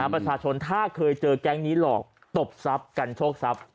ประชาชนถ้าเคยเจอแก๊งนี้หลอกตบทรัพย์กันโชคทรัพย์